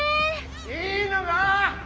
・いいのが！？